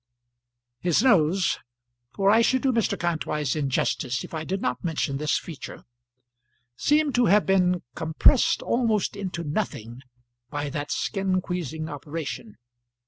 His nose for I should do Mr. Kantwise injustice if I did not mention this feature seemed to have been compressed almost into nothing by that skin squeezing operation.